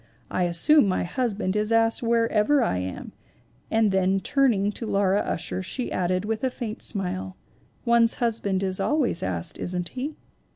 'I assume my husband is asked wherever I am/ and then turn ing to Laura Ussher she added with a faint smile: 'One's husband is always asked, isn't he?